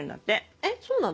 えっそうなの？